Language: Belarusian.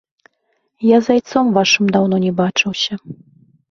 Я з айцом вашым даўно не бачыўся.